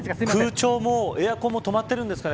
空調も、エアコンも止まってるんですかね。